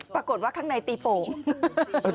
ปรากฏว่าข้างในตีปุ่ง